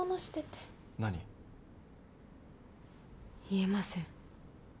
言えません。